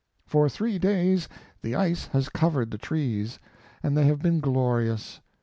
For three days the ice has covered the trees, and they have been glorious.